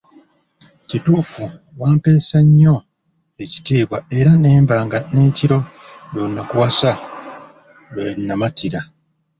Kituufu wampeesa nnyo ekitiibwa era nemba nga n’ekiro lwe nakuwasa lwe namatira